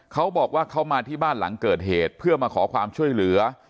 เขาบอกว่าเขามาที่บ้านหลังเกิดเหตุเพื่อมาขอความช่วยเหลือ